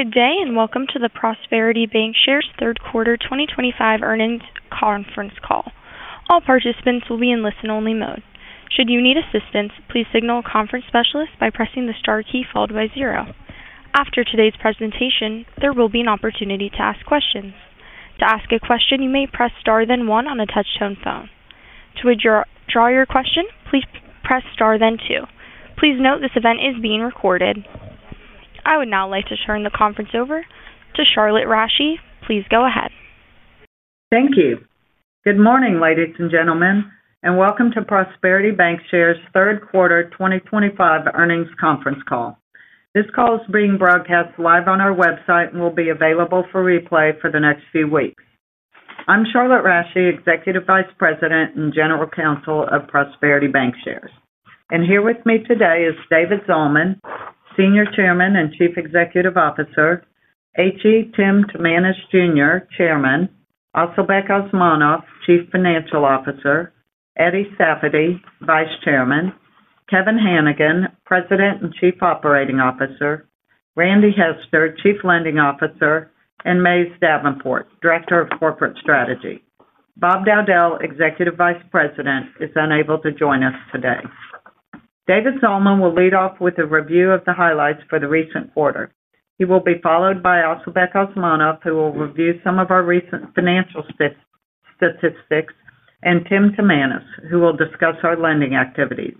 Good day and welcome to the Prosperity Bancshares Third Quarter 2025 earnings conference call. All participants will be in listen-only mode. Should you need assistance, please signal a conference specialist by pressing the star key followed by zero. After today's presentation, there will be an opportunity to ask questions. To ask a question, you may press star then one on a touch-tone phone. To withdraw your question, please press star then two. Please note this event is being recorded. I would now like to turn the conference over to Charlotte Rasche. Please go ahead. Thank you. Good morning, ladies and gentlemen, and welcome to Prosperity Bancshares Third Quarter 2025 earnings conference call. This call is being broadcast live on our website and will be available for replay for the next few weeks. I'm Charlotte Rasche, Executive Vice President and General Counsel of Prosperity Bancshares. Here with me today is David Zalman, Senior Chairman and Chief Executive Officer, H.E. Tim Timanus, Jr., Chairman, Asylbek Osmonov, Chief Financial Officer, Eddie Safady, Vice Chairman, Kevin Hanigan, President and Chief Operating Officer, Randy Hester, Chief Lending Officer, and Merle Karnes, Director of Corporate Strategy. Bob Dowdell, Executive Vice President, is unable to join us today. David Zalman will lead off with a review of the highlights for the recent quarter. He will be followed by Asylbek Osmonov, who will review some of our recent financial statistics, and Tim Timanus, who will discuss our lending activities,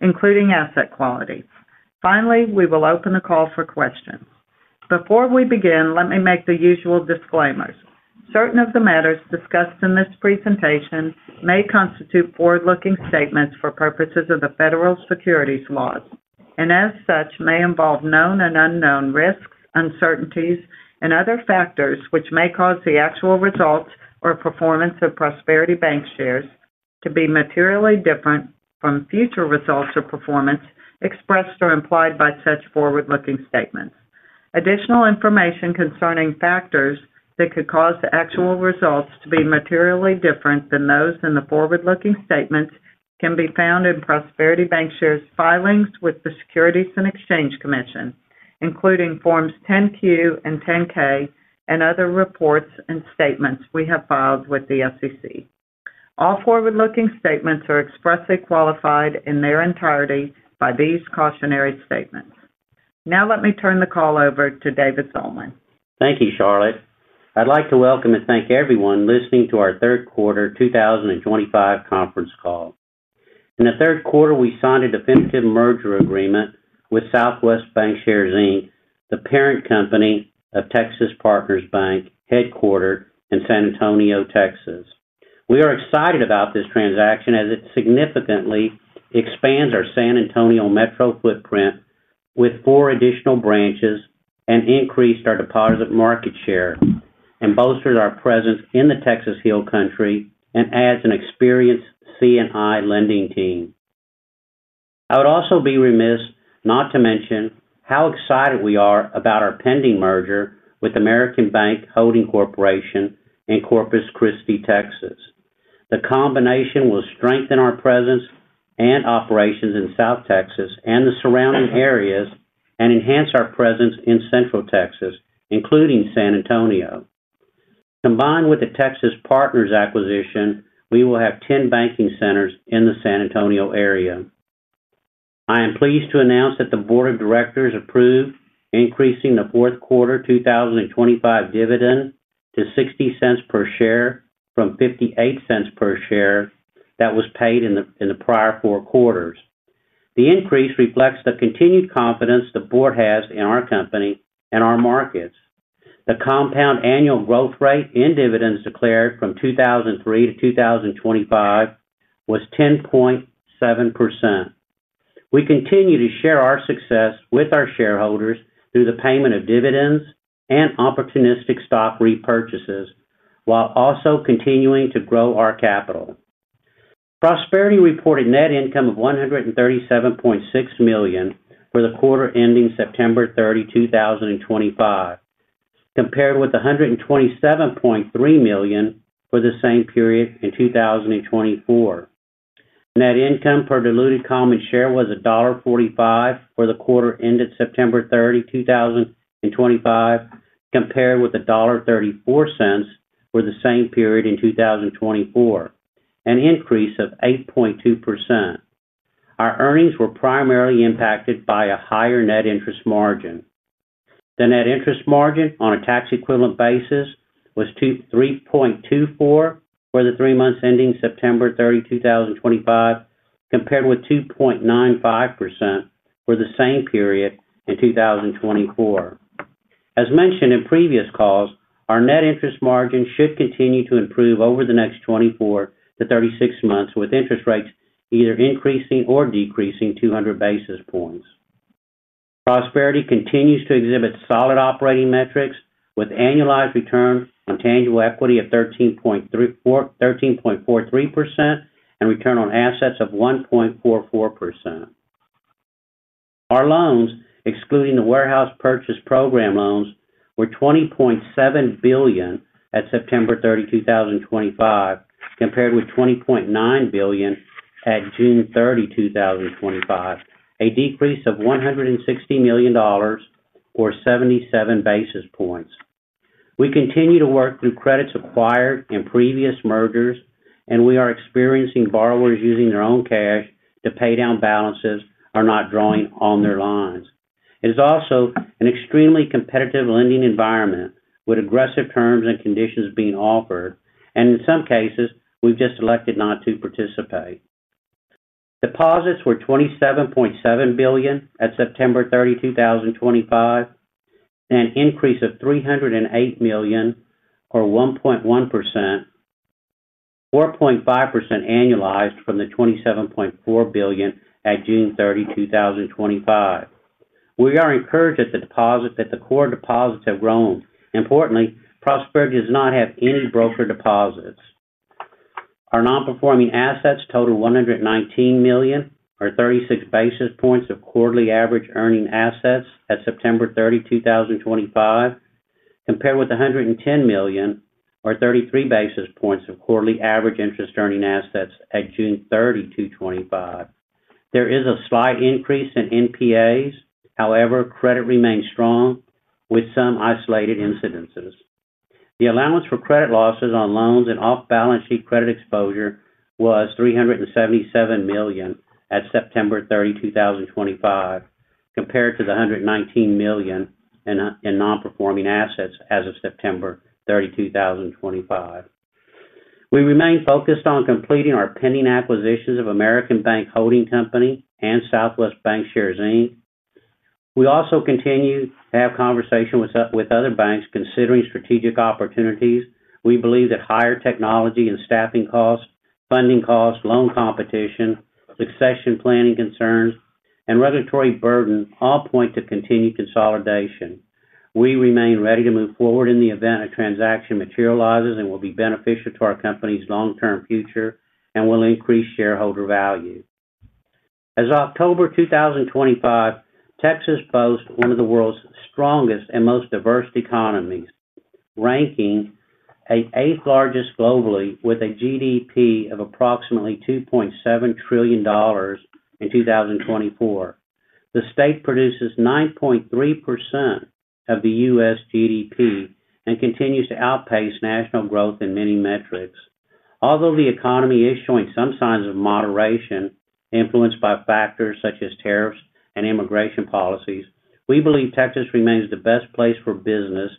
including asset quality. Finally, we will open the call for questions. Before we begin, let me make the usual disclaimers. Certain of the matters discussed in this presentation may constitute forward-looking statements for purposes of the Federal Securities Laws, and as such, may involve known and unknown risks, uncertainties, and other factors which may cause the actual results or performance of Prosperity Bancshares to be materially different from future results or performance expressed or implied by such forward-looking statements. Additional information concerning factors that could cause the actual results to be materially different than those in the forward-looking statements can be found in Prosperity Bancshares' filings with the Securities and Exchange Commission, including Forms 10-Q and 10-K, and other reports and statements we have filed with the SEC. All forward-looking statements are expressly qualified in their entirety by these cautionary statements. Now, let me turn the call over to David Zalman. Thank you, Charlotte. I'd like to welcome and thank everyone listening to our third quarter 2025 conference call. In the third quarter, we signed a definitive merger agreement with Southwest Bancshares, Inc, the parent company of Texas Partners Bank, headquartered in San Antonio, Texas. We are excited about this transaction as it significantly expands our San Antonio metro footprint with four additional branches and increased our deposit market share, and bolsters our presence in the Texas Hill Country and adds an experienced C&I lending team. I would also be remiss not to mention how excited we are about our pending merger with American Bank Holding Corporation in Corpus Christi, Texas. The combination will strengthen our presence and operations in South Texas and the surrounding areas and enhance our presence in Central Texas, including San Antonio. Combined with the Texas Partners acquisition, we will have 10 banking centers in the San Antonio area. I am pleased to announce that the Board of Directors approved increasing the fourth quarter 2025 dividend to $0.60 per share from $0.58 per share that was paid in the prior four quarters. The increase reflects the continued confidence the board has in our company and our markets. The compound annual growth rate in dividends declared from 2003 to 2025 was 10.7%. We continue to share our success with our shareholders through the payment of dividends and opportunistic stock repurchases, while also continuing to grow our capital. Prosperity reported net income of $137.6 million for the quarter ending September 30, 2025, compared with $127.3 million for the same period in 2024. Net income per diluted common share was $1.45 for the quarter ended September 30, 2025, compared with $1.34 for the same period in 2024, an increase of 8.2%. Our earnings were primarily impacted by a higher net interest margin. The net interest margin on a tax-equivalent basis was 3.24% for the three months ending September 30, 2025, compared with 2.95% for the same period in 2024. As mentioned in previous calls, our net interest margin should continue to improve over the next 24 to 36 months, with interest rates either increasing or decreasing 200 basis points. Prosperity continues to exhibit solid operating metrics, with annualized return on tangible equity of 13.43% and return on assets of 1.44%. Our loans, excluding the warehouse purchase program loans, were $20.7 billion at September 30, 2025, compared with $20.9 billion at June 30, 2025, a decrease of $160 million or 77 basis points. We continue to work through credits acquired in previous mergers, and we are experiencing borrowers using their own cash to pay down balances or not drawing on their lines. It is also an extremely competitive lending environment, with aggressive terms and conditions being offered, and in some cases, we've just elected not to participate. Deposits were $27.7 billion at September 30, 2025, an increase of $308 million or 1.1%, 4.5% annualized from the $27.4 billion at June 30, 2025. We are encouraged that the core deposits have grown. Importantly, Prosperity Bancshares does not have any brokered deposits. Our non-performing assets total $119 million or 36 basis points of quarterly average earning assets at September 30, 2025, compared with $110 million or 33 basis points of quarterly average interest earning assets at June 30, 2025. There is a slight increase in non-performing assets, however, credit remains strong with some isolated incidences. The allowance for credit losses on loans and off-balance sheet credit exposure was $377 million at September 30, 2025, compared to the $119 million in non-performing assets as of September 30, 2025. We remain focused on completing our pending acquisitions of American Bank Holding Corporation and Southwest Bancshares, Inc. We also continue to have conversations with other banks considering strategic opportunities. We believe that higher technology and staffing costs, funding costs, loan competition, succession planning concerns, and regulatory burden all point to continued consolidation. We remain ready to move forward in the event a transaction materializes and will be beneficial to our company's long-term future and will increase shareholder value. As of October 2025, Texas boasts one of the world's strongest and most diverse economies, ranking the eighth largest globally with a GDP of approximately $2.7 trillion in 2024. The state produces 9.3% of the U.S. GDP and continues to outpace national growth in many metrics. Although the economy is showing some signs of moderation, influenced by factors such as tariffs and immigration policies, we believe Texas remains the best place for business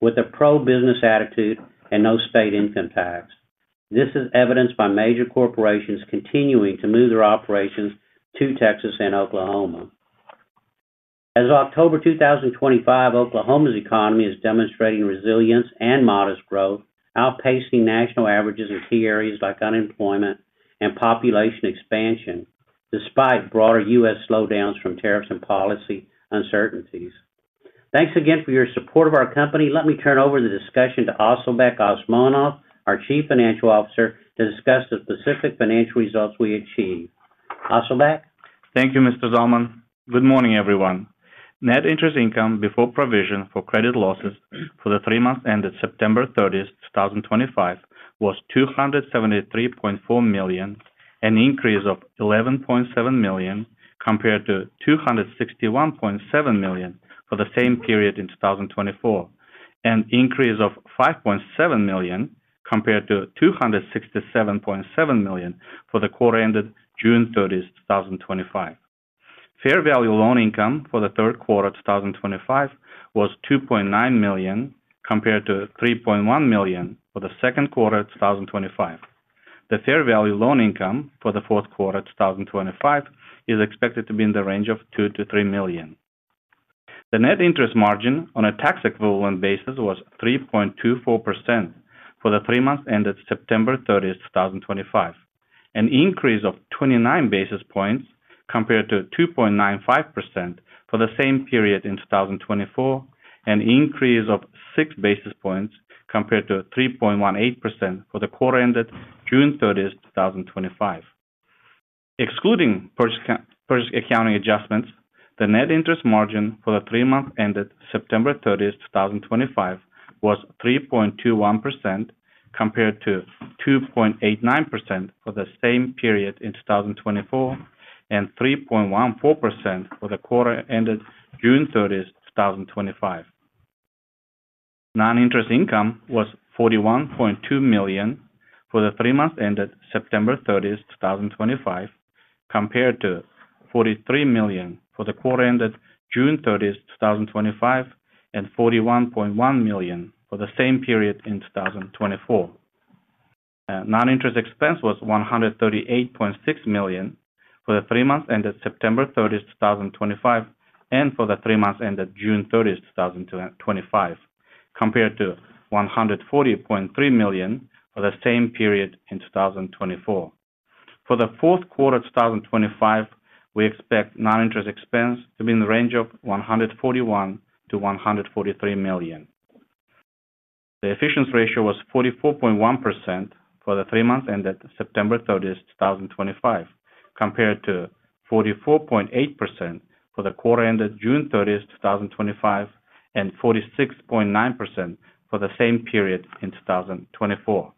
with a pro-business attitude and no state income tax. This is evidenced by major corporations continuing to move their operations to Texas and Oklahoma. As of October 2025, Oklahoma's economy is demonstrating resilience and modest growth, outpacing national averages in key areas like unemployment and population expansion, despite broader U.S. slowdowns from tariffs and policy uncertainties. Thanks again for your support of our company. Let me turn over the discussion to Asylbek Osmonov, our Chief Financial Officer, to discuss the specific financial results we achieved. Asylbek? Thank you, Mr. Zalman. Good morning, everyone. Net interest income before provision for credit losses for the three months ended September 30th, 2025, was $273.4 million, an increase of $11.7 million compared to $261.7 million for the same period in 2024, an increase of $5.7 million compared to $267.7 million for the quarter ended June 30, 2025. Fair value loan income for the third quarter of 2025 was $2.9 million compared to $3.1 million for the second quarter of 2025. The fair value loan income for the fourth quarter of 2025 is expected to be in the range of $2 million-$3 million. The net interest margin on a tax-equivalent basis was 3.24% for the three months ended September 30th, 2025, an increase of 29 basis points compared to 2.95% for the same period in 2024, an increase of 6 basis points compared to 3.18% for the quarter ended June 30th, 2025. Excluding purchase accounting adjustments, the net interest margin for the three months ended September 30th, 2025, was 3.21% compared to 2.89% for the same period in 2024 and 3.14% for the quarter ended June 30th, 2025. Non-interest income was $41.2 million for the three months ended September 30th, 2025, compared to $43 million for the quarter ended June 30th, 2025, and $41.1 million for the same period in 2024. Non-interest expense was $138.6 million for the three months ended September 30th, 2025, and for the three months ended June 30th, 2025, compared to $140.3 million for the same period in 2024. For the fourth quarter of 2025, we expect non-interest expense to be in the range of $141 million-$143 million. The efficiency ratio was 44.1% for the three months ended September 30th, 2025, compared to 44.8% for the quarter ended June 30th, 2025, and 46.9% for the same period in 2024.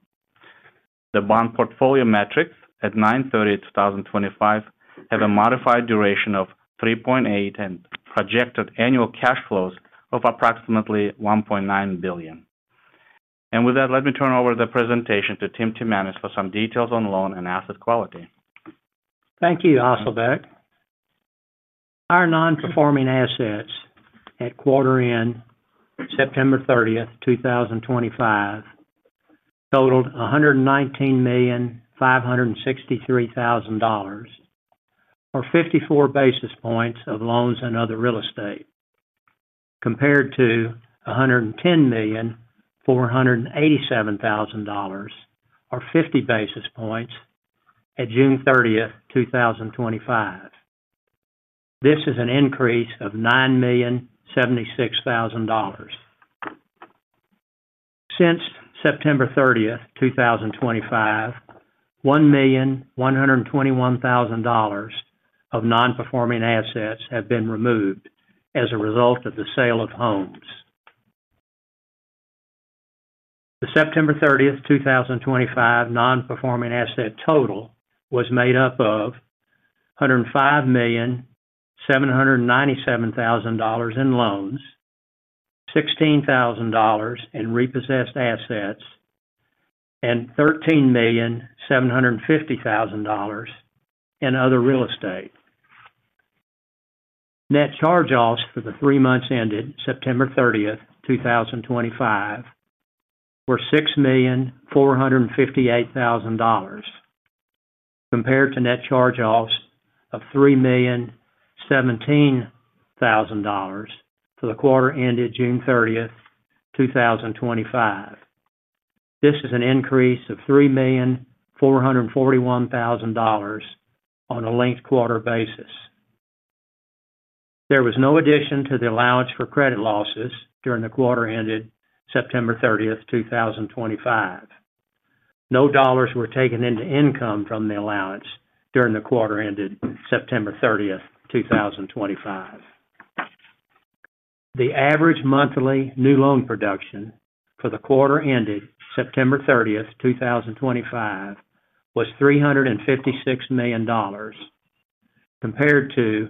The bond portfolio metrics at 09/30/2025 have a modified duration of 3.8 and projected annual cash flows of approximately $1.9 billion. With that, let me turn over the presentation to Tim Timanus for some details on loan and asset quality. Thank you, Asylbek. Our non-performing assets at quarter end September 30th, 2025, totaled $119,563,000 or 54 basis points of loans and other real estate, compared to $110,487,000 or 50 basis points at June 30th, 2025. This is an increase of $9,076,000. Since September 30th, 2025, $1,121,000 of non-performing assets have been removed as a result of the sale of homes. The September 30th, 2025 non-performing asset total was made up of $105,797,000 in loans, $16,000 in repossessed assets, and $13,750,000 in other real estate. Net charge-offs for the three months ended September 30th, 2025 were $6,458,000, compared to net charge-offs of $3,017,000 for the quarter ended June 30th, 2025. This is an increase of $3,441,000 on a linked quarter basis. There was no addition to the allowance for credit losses during the quarter ended September 30th, 2025. No dollars were taken into income from the allowance during the quarter ended September 30th, 2025. The average monthly new loan production for the quarter ended September 30th, 2025 was $356 million, compared to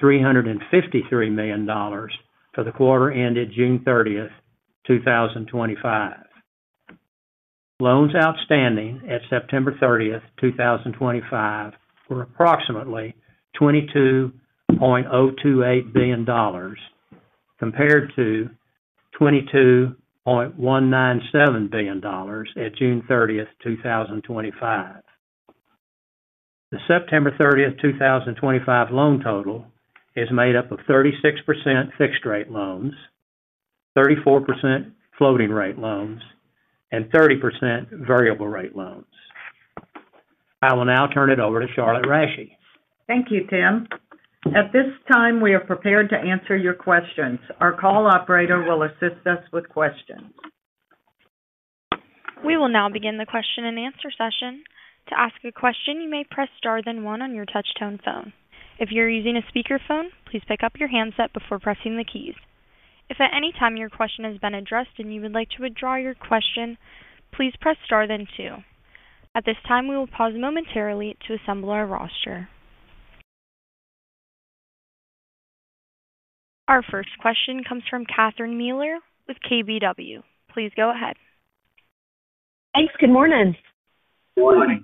$353 million for the quarter ended June 30th, 2025. Loans outstanding at September 30th, 2025 were approximately $22.028 billion, compared to $22.197 billion at June 30th, 2025. The September 30th, 2025 loan total is made up of 36% fixed-rate loans, 34% floating-rate loans, and 30% variable-rate loans. I will now turn it over to Charlotte Rasche. Thank you, Tim. At this time, we are prepared to answer your questions. Our call operator will assist us with questions. We will now begin the question and answer session. To ask a question, you may press star then one on your touch-tone phone. If you're using a speaker phone, please pick up your handset before pressing the keys. If at any time your question has been addressed and you would like to withdraw your question, please press star then two. At this time, we will pause momentarily to assemble our roster. Our first question comes from Catherine Mealor with KBW. Please go ahead. Thanks. Good morning. Morning.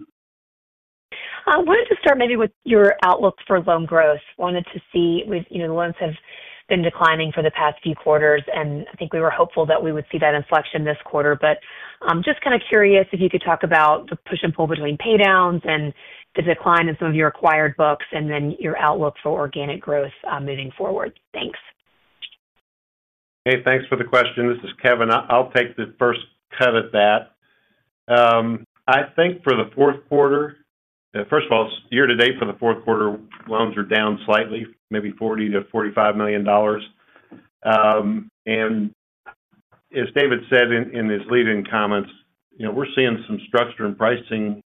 I wanted to start maybe with your outlook for loan growth. I wanted to see with, you know, the loans have been declining for the past few quarters, and I think we were hopeful that we would see that inflection this quarter. I'm just kind of curious if you could talk about the push and pull between paydowns and the decline in some of your acquired books, and then your outlook for organic growth moving forward. Thanks. Hey, thanks for the question. This is Kevin. I'll take the first cut at that. I think for the fourth quarter, first of all, year to date for the fourth quarter, loans are down slightly, maybe $40 million-$45 million. As David said in his lead-in comments, you know, we're seeing some structure and pricing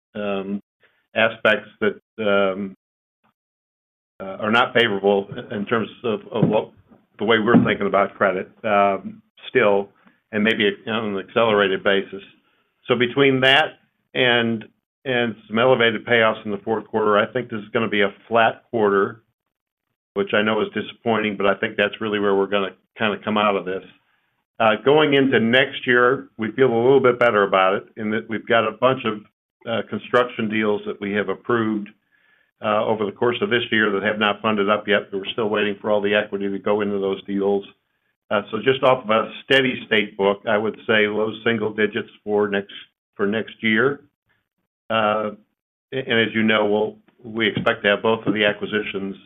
aspects that are not favorable in terms of the way we're thinking about credit, still, and maybe on an accelerated basis. Between that and some elevated payoffs in the fourth quarter, I think this is going to be a flat quarter, which I know is disappointing, but I think that's really where we're going to kind of come out of this. Going into next year, we feel a little bit better about it in that we've got a bunch of construction deals that we have approved over the course of this year that have not funded up yet. We're still waiting for all the equity to go into those deals. Just off of a steady state book, I would say low single digits for next year. As you know, we expect to have both of the acquisitions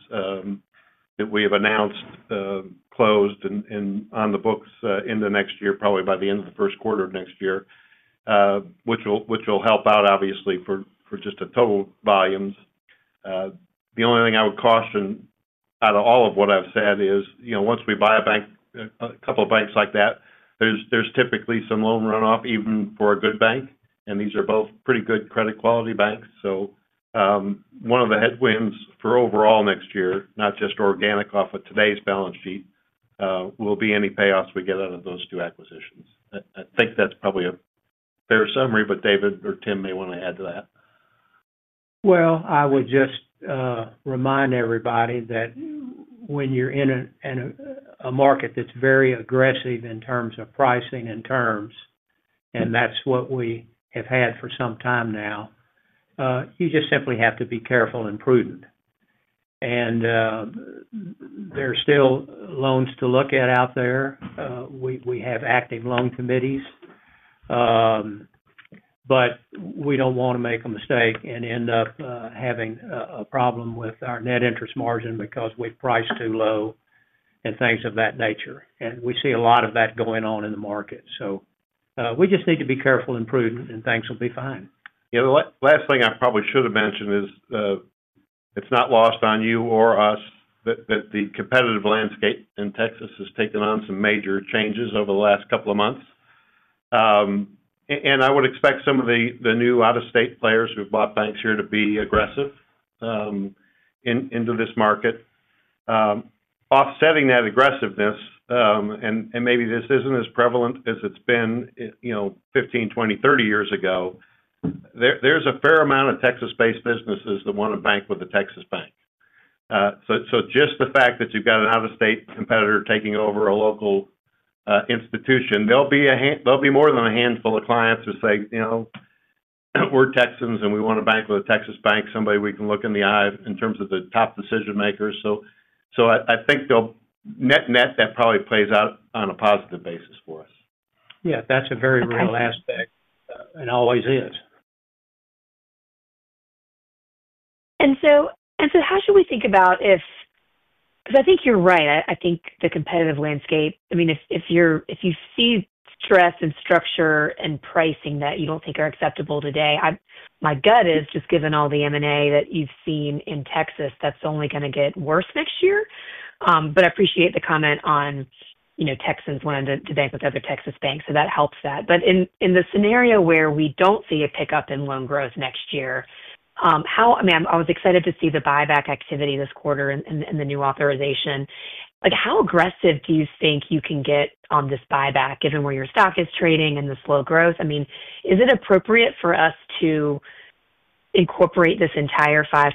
that we have announced closed and on the books into next year, probably by the end of the first quarter of next year, which will help out, obviously, for just the total volumes. The only thing I would caution out of all of what I've said is, you know, once we buy a bank, a couple of banks like that, there's typically some loan runoff even for a good bank. These are both pretty good credit quality banks. One of the headwinds for overall next year, not just organic off of today's balance sheet, will be any payoffs we get out of those two acquisitions. I think that's probably a fair summary, but David or Tim may want to add to that. I would just remind everybody that when you're in a market that's very aggressive in terms of pricing and terms, and that's what we have had for some time now, you just simply have to be careful and prudent. There's still loans to look at out there. We have active loan committees, but we don't want to make a mistake and end up having a problem with our net interest margin because we've priced too low and things of that nature. We see a lot of that going on in the market. We just need to be careful and prudent, and things will be fine. The last thing I probably should have mentioned is, it's not lost on you or us that the competitive landscape in Texas has taken on some major changes over the last couple of months. I would expect some of the new out-of-state players who've bought banks here to be aggressive into this market. Offsetting that aggressiveness, and maybe this isn't as prevalent as it's been, you know, 15, 20, 30 years ago, there's a fair amount of Texas-based businesses that want to bank with a Texas bank. Just the fact that you've got an out-of-state competitor taking over a local institution, there'll be more than a handful of clients who say, you know, we're Texans and we want to bank with a Texas bank, somebody we can look in the eye in terms of the top decision makers. I think net net, that probably plays out on a positive basis for us. Yeah, that's a very real aspect and always is. How should we think about if, because I think you're right. I think the competitive landscape, I mean, if you see stress in structure and pricing that you don't think are acceptable today, my gut is just given all the M&A that you've seen in Texas, that's only going to get worse next year. I appreciate the comment on, you know, Texans wanting to bank with other Texas banks. That helps that. In the scenario where we don't see a pickup in loan growth next year, I was excited to see the buyback activity this quarter and the new authorization. How aggressive do you think you can get on this buyback given where your stock is trading and the slow growth? Is it appropriate for us to incorporate this entire 5%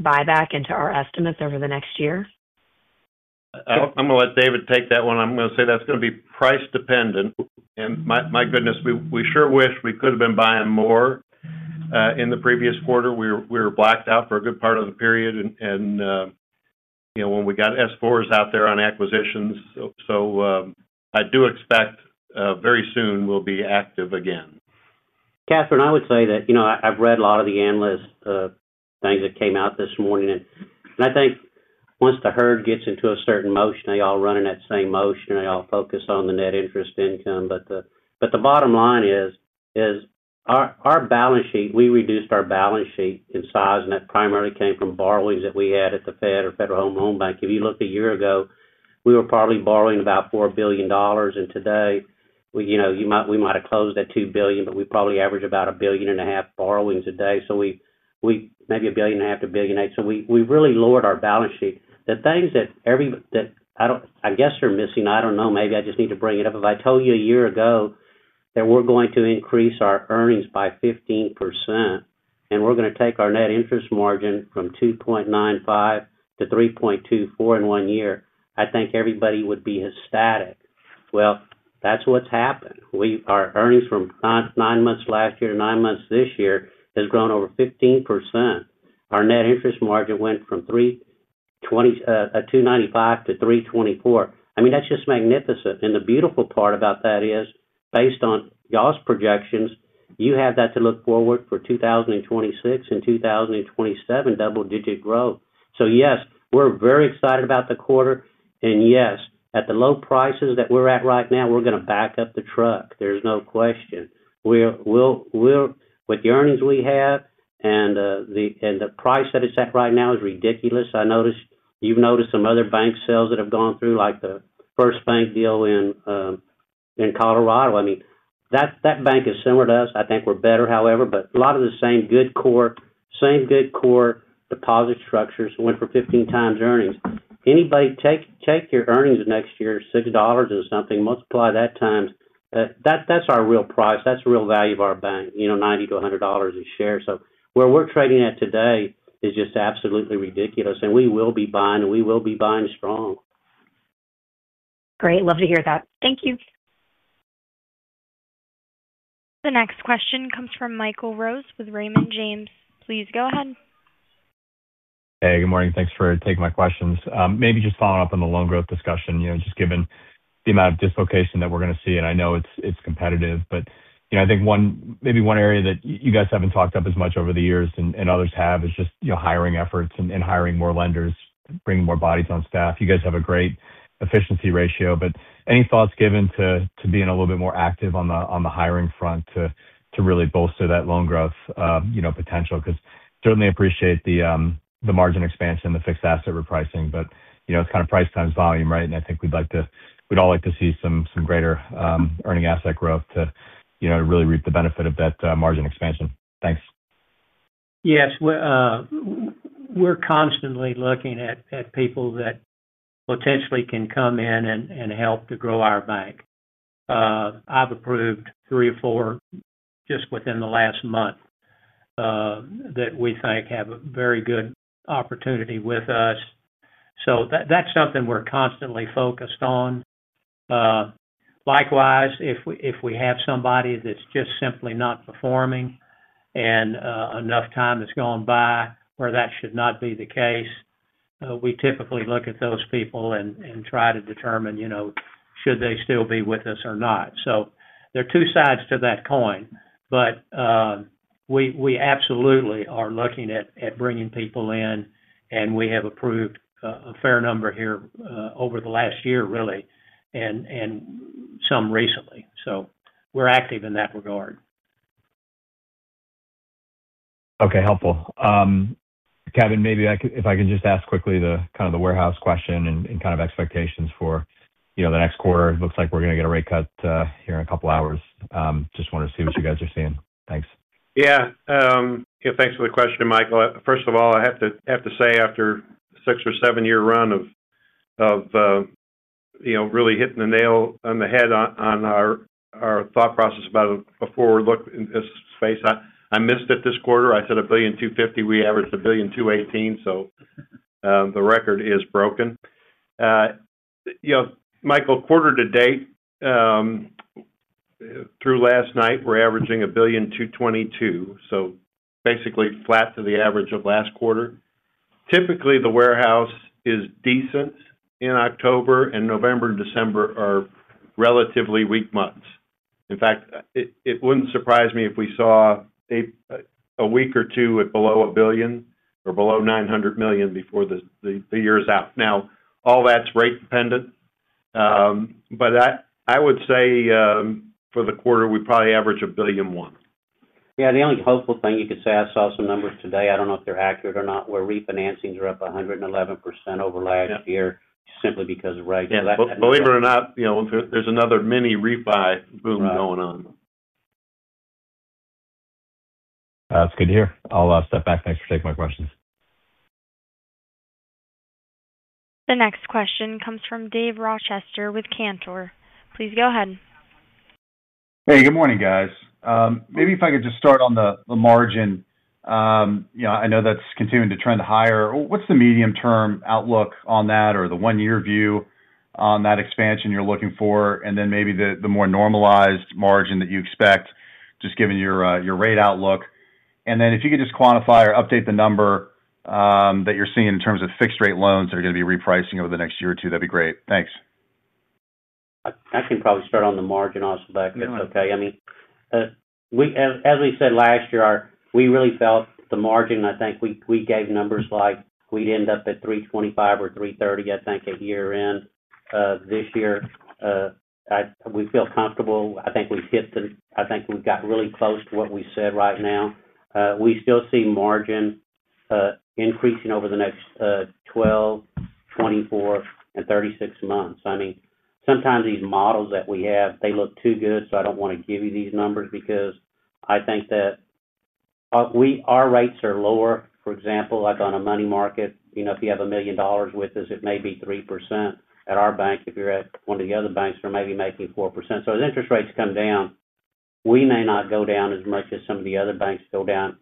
buyback into our estimates over the next year? I'm going to let David take that one. I'm going to say that's going to be price-dependent. My goodness, we sure wish we could have been buying more in the previous quarter. We were blacked out for a good part of the period, you know, when we got S-4s out there on acquisitions. I do expect very soon we'll be active again. Katherine, I would say that, you know, I've read a lot of the analysts, things that came out this morning. I think once the herd gets into a certain motion, they all run in that same motion and they all focus on the net interest income. The bottom line is, our balance sheet, we reduced our balance sheet in size, and that primarily came from borrowings that we had at the Fed or Federal Home Loan Bank. If you looked a year ago, we were probably borrowing about $4 billion. Today, we might have closed at $2 billion, but we probably average about $1.5 billion borrowings a day, maybe $1.5 billion-$1.8 billion. We really lowered our balance sheet. The things that I guess are missing, I don't know, maybe I just need to bring it up. If I told you a year ago that we're going to increase our earnings by 15% and we're going to take our net interest margin from 2.95% to 3.24% in one year, I think everybody would be hysterical. That's what's happened. Our earnings from nine months last year to nine months this year has grown over 15%. Our net interest margin went from 2.95% to 3.24%. I mean, that's just magnificent. The beautiful part about that is, based on y'all's projections, you have that to look forward for 2026 and 2027, double-digit growth. Yes, we're very excited about the quarter. At the low prices that we're at right now, we're going to back up the truck. There's no question. With the earnings we have and the price that it's at right now, it's ridiculous. I noticed, you've noticed some other bank sales that have gone through, like the FirstBank deal in Colorado. That bank is similar to us. I think we're better, however, but a lot of the same good core, same good core deposit structures went for 15x earnings. Anybody take your earnings of next year, [$6] and something, multiply that times, that's our real price. That's the real value of our bank, you know, $90-$100 a share. Where we're trading at today is just absolutely ridiculous. We will be buying, and we will be buying strong. Great. Love to hear that. Thank you. The next question comes from Michael Rose with Raymond James. Please go ahead. Hey, good morning. Thanks for taking my questions. Maybe just following up on the loan growth discussion, you know, just given the amount of dislocation that we're going to see, and I know it's competitive, but I think one, maybe one area that you guys haven't talked up as much over the years and others have is just, you know, hiring efforts and hiring more lenders, bringing more bodies on staff. You guys have a great efficiency ratio, but any thoughts given to being a little bit more active on the hiring front to really bolster that loan growth, you know, potential? Because certainly I appreciate the margin expansion, the fixed asset repricing, but you know, it's kind of price times volume, right? I think we'd like to, we'd all like to see some greater earning asset growth to, you know, really reap the benefit of that margin expansion. Thanks. Yes, we're constantly looking at people that potentially can come in and help to grow our bank. I've approved three or four just within the last month that we think have a very good opportunity with us. That's something we're constantly focused on. Likewise, if we have somebody that's just simply not performing and enough time has gone by where that should not be the case, we typically look at those people and try to determine, you know, should they still be with us or not. There are two sides to that coin, but we absolutely are looking at bringing people in, and we have approved a fair number here over the last year, really, and some recently. We're active in that regard. Okay, helpful. Kevin, maybe if I can just ask quickly the kind of the warehouse question and kind of expectations for, you know, the next quarter. It looks like we're going to get a rate cut here in a couple of hours. Just wanted to see what you guys are seeing. Thanks. Yeah, thanks for the question, Michael. First of all, I have to say after a six or seven-year run of really hitting the nail on the head on our thought process about a forward look in this space, I missed it this quarter. I said $1.25 billion, we averaged $1.218 billion. So, the record is broken. You know, Michael, quarter to date, through last night, we're averaging $1.222 billion. So basically flat to the average of last quarter. Typically, the warehouse is decent in October, and November and December are relatively weak months. In fact, it wouldn't surprise me if we saw a week or two below $1 billion or below $900 million before the year is out. Now, all that's rate dependent. I would say, for the quarter, we probably average $1.1 billion. Yeah, the only hopeful thing you could say, I saw some numbers today. I don't know if they're accurate or not, where refinancings are up 111% over last year, simply because of rate and that. Believe it or not, there's another mini refi boom going on. That's good to hear. I'll step back. Thanks for taking my questions. The next question comes from Dave Rochester with Cantor. Please go ahead. Hey, good morning, guys. Maybe if I could just start on the margin. I know that's continuing to trend higher. What's the medium-term outlook on that or the one-year view on that expansion you're looking for? Maybe the more normalized margin that you expect, just given your rate outlook. If you could just quantify or update the number that you're seeing in terms of fixed-rate loans that are going to be repricing over the next year or two, that'd be great. Thanks. I can probably start on the margin, Asylbek, if it's okay. I mean, we have, as we said last year, we really felt the margin, I think we gave numbers like we'd end up at 3.25% or 3.30%, I think, at year-end, this year. We feel comfortable. I think we've hit the, I think we've got really close to what we said right now. We still see margin increasing over the next 12 months, 24 months, and 36 months. Sometimes these models that we have, they look too good. I don't want to give you these numbers because I think that our rates are lower. For example, like on a money market, you know, if you have $1 million with us, it may be 3%. At our bank, if you're at one of the other banks, they're maybe making 4%. As interest rates come down, we may not go down as much as some of the other banks go down,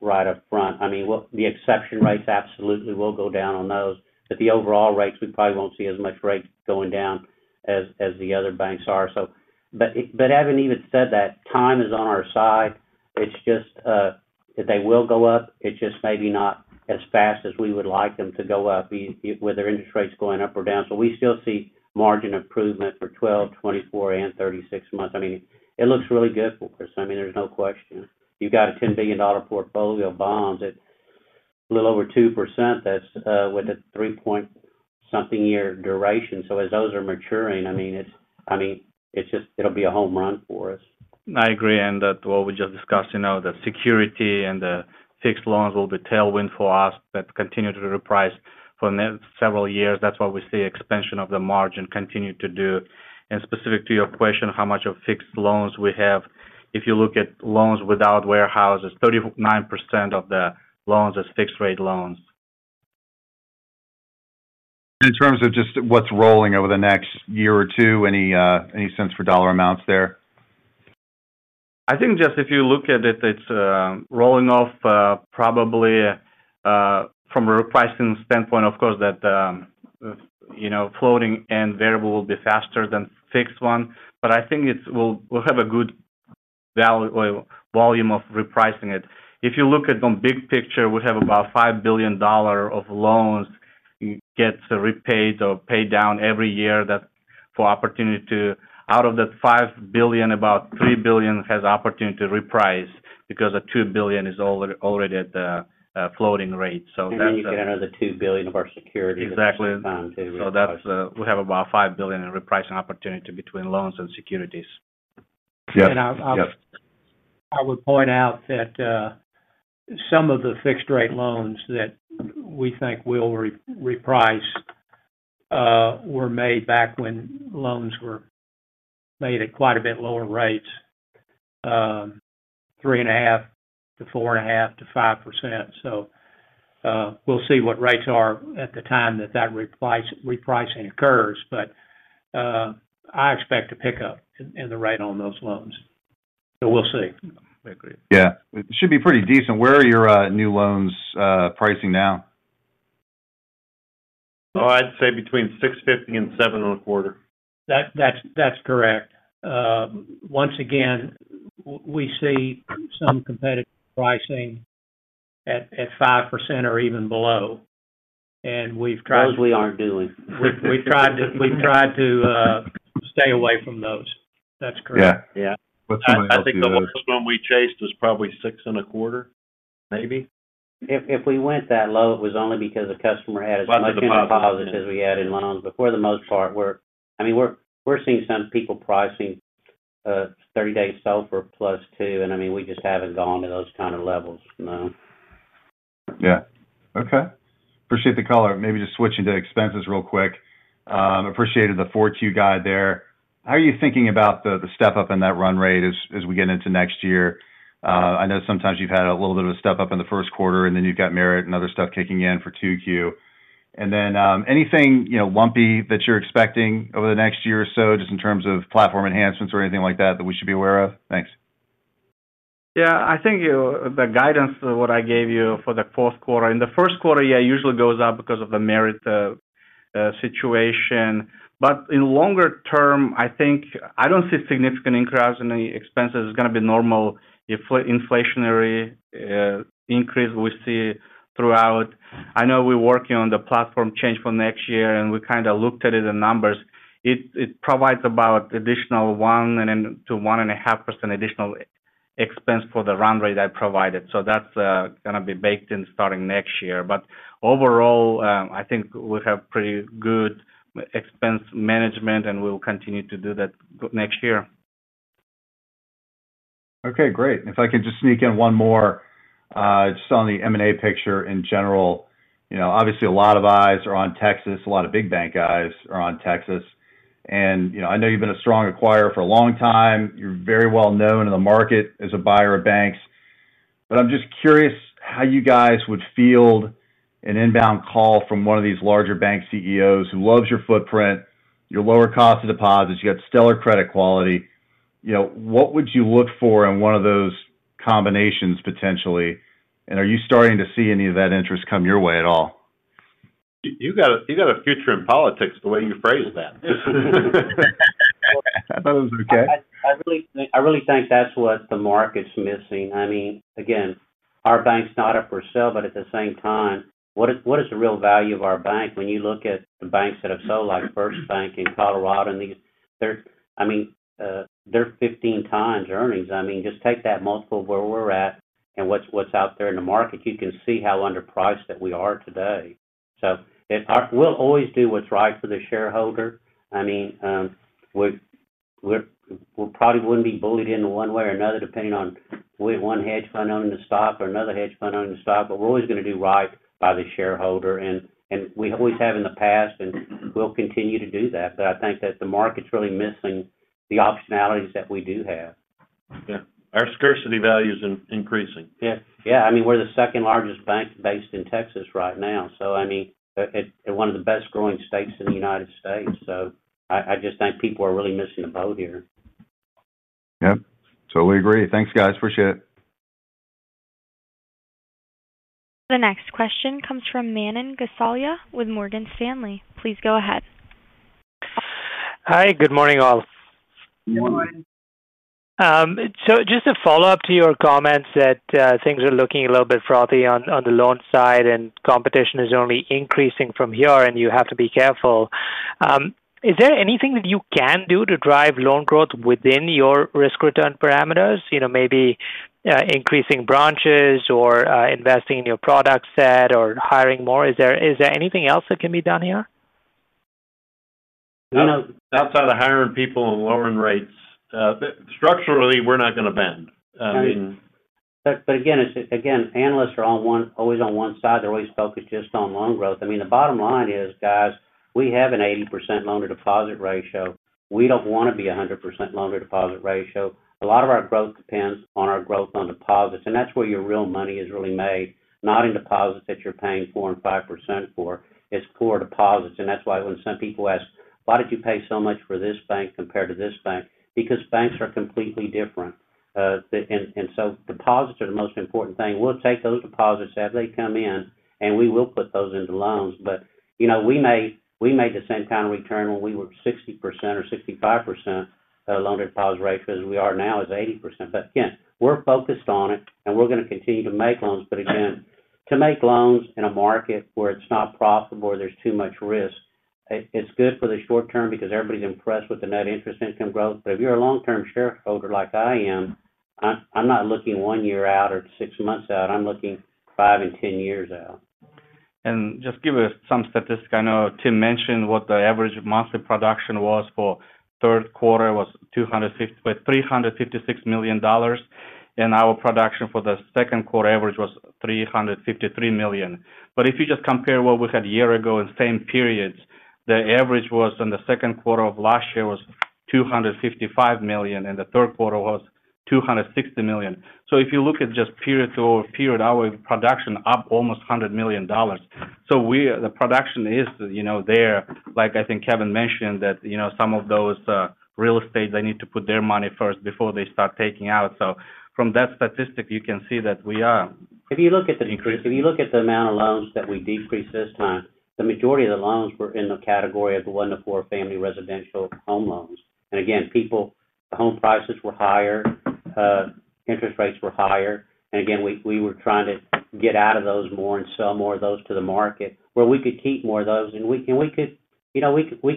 right up front. The exception rates absolutely will go down on those. The overall rates, we probably won't see as much rate going down as the other banks are. Having even said that, time is on our side. They will go up. It's just maybe not as fast as we would like them to go up, either with their interest rates going up or down. We still see margin improvement for 12 months, 24 months, and 36 months. It looks really good for us. There's no question. You've got a $10 billion portfolio of bonds at a little over 2%. That's with a three-point-something year duration. As those are maturing, it's just, it'll be a home run for us. I agree. What we just discussed, the security and the fixed loans will be a tailwind for us that continue to reprice for several years. That is why we see expansion of the margin continue to do. Specific to your question, how much of fixed loans we have, if you look at loans without warehouses, 39% of the loans are fixed-rate loans. In terms of just what's rolling over the next year or two, any sense for dollar amounts there? I think if you look at it, it's rolling off probably from a requesting standpoint. Of course, floating and variable will be faster than fixed one. I think it will have a good value or volume of repricing. If you look at the big picture, we have about $5 billion of loans gets repaid or paid down every year for opportunity to, out of that $5 billion, about $3 billion has opportunity to reprice because $2 billion is already at the floating rate. You get another $2 billion of our security. Exactly. That's why we have about $5 billion in repricing opportunity between loans and securities. I would point out that some of the fixed-rate loans that we think will reprice were made back when loans were made at quite a bit lower rates, 3.5% to 4.5% to 5%. We will see what rates are at the time that repricing occurs. I expect a pickup in the rate on those loans. We will see. I agree. Yeah, it should be pretty decent. Where are your new loans pricing now? I'd say between [$6.50 and $7.25]. That's correct. Once again, we see some competitive pricing at 5% or even below, and we've tried. Those we aren't doing. We've tried to stay away from those. That's correct. Yeah? What's the way I think the lowest one we chased was probably $6.25, maybe. If we went that low, it was only because a customer had as much in deposits as we had in loans. For the most part, we're seeing some people pricing a 30-day sell for +2. We just haven't gone to those kind of levels, no. Yeah. Okay. Appreciate the call. Maybe just switching to expenses real quick. Appreciated the 4Q guide there. How are you thinking about the step up in that run rate as we get into next year? I know sometimes you've had a little bit of a step up in the first quarter, and then you've got merit and other stuff kicking in for 2Q. Anything lumpy that you're expecting over the next year or so, just in terms of platform enhancements or anything like that that we should be aware of? Thanks. Yeah, I think you know the guidance of what I gave you for the fourth quarter. In the first quarter, it usually goes up because of the Merritt situation. In the longer term, I think I don't see significant increase in any expenses. It's going to be normal inflationary increase we see throughout. I know we're working on the platform change for next year, and we kind of looked at it in numbers. It provides about an additional 1% and then to 1.5% additional expense for the run rate I provided. That's going to be baked in starting next year. Overall, I think we have pretty good expense management, and we'll continue to do that next year. Okay, great. If I can just sneak in one more, just on the M&A picture in general, you know, obviously a lot of eyes are on Texas. A lot of big bank guys are on Texas. I know you've been a strong acquirer for a long time. You're very well known in the market as a buyer of banks. I'm just curious how you guys would field an inbound call from one of these larger bank CEOs who loves your footprint, your lower cost of deposits, you got stellar credit quality. What would you look for in one of those combinations potentially? Are you starting to see any of that interest come your way at all? You got a future in politics the way you phrased that. That was okay. I really think that's what the market's missing. I mean, again, our bank's not up for sale, but at the same time, what is the real value of our bank when you look at the banks that have sold like FirstBank in Colorado? They're 15x earnings. Just take that multiple where we're at and what's out there in the market. You can see how underpriced that we are today. We will always do what's right for the shareholder. We probably wouldn't be bullied in one way or another depending on one hedge fund owning the stock or another hedge fund owning the stock. We're always going to do right by the shareholder. We always have in the past, and we'll continue to do that. I think that the market's really missing the optionalities that we do have. Yeah, our scarcity value is increasing. Yeah, I mean, we're the second largest bank based in Texas right now. I mean, it's one of the best growing states in the United States. I just think people are really missing the boat here. Yep. Totally agree. Thanks, guys. Appreciate it. The next question comes from Manan Gosalia with Morgan Stanley. Please go ahead. Hi, good morning all. Good morning. Just a follow-up to your comments that things are looking a little bit frothy on the loan side and competition is only increasing from here, and you have to be careful. Is there anything that you can do to drive loan growth within your risk return parameters? You know, maybe increasing branches or investing in your product set or hiring more. Is there anything else that can be done here? You know, outside of hiring people and lowering rates, structurally, we're not going to bend. Again, analysts are always on one side. They're always focused just on loan growth. The bottom line is, guys, we have an 80% loan-to-deposit ratio. We don't want to be a 100% loan-to-deposit ratio. A lot of our growth depends on our growth on deposits. That's where your real money is really made, not in deposits that you're paying 4% and 5% for. It's core deposits. That's why when some people ask, "Why did you pay so much for this bank compared to this bank?" Because banks are completely different, and so deposits are the most important thing. We'll take those deposits as they come in, and we will put those into loans. You know, we made the same kind of return when we were 60% or 65% loan-to-deposit ratio as we are now, which is 80%. We're focused on it, and we're going to continue to make loans. To make loans in a market where it's not profitable or there's too much risk, it's good for the short term because everybody's impressed with the net interest income growth. If you're a long-term shareholder like I am, I'm not looking one year out or six months out. I'm looking five and 10 years out. Just give us some statistics. I know Tim mentioned what the average monthly production was for the third quarter was $356 million. Our production for the second quarter average was $353 million. If you just compare what we had a year ago in the same periods, the average in the second quarter of last year was $255 million, and the third quarter was $260 million. If you look at just period over period, our production is up almost $100 million. The production is there. Like I think Kevin mentioned, some of those real estates need to put their money first before they start taking out. From that statistic, you can see that we are. If you look at the increase, if you look at the amount of loans that we decreased this time, the majority of the loans were in the category of the one to four family residential home loans. People, the home prices were higher, interest rates were higher. We were trying to get out of those more and sell more of those to the market where we could keep more of those. We